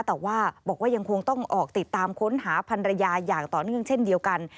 แต่ว่าบอกว่ายังคงต้องออกติดตามค้นหาพันรยาอย่างต่อเนื่องเช่นเดียวกัน